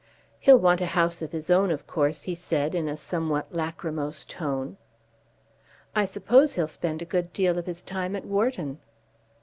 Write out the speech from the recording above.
"He'll want a house of his own, of course," he said, in a somewhat lachrymose tone. "I suppose he'll spend a good deal of his time at Wharton."